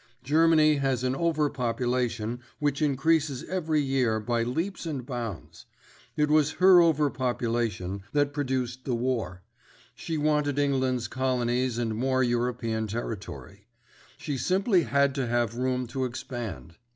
Germany has an over population which increases every year by leaps and bounds. It was her overpopulation that produced the war; she wanted England's colonies and more European territory. She simply had to have room to expand.